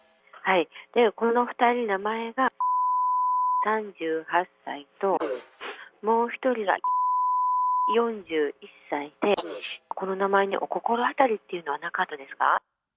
この２人、名前が×××３８歳と、もう１人が×××４１歳で、この名前にお心当たりっていうのはなかったですか？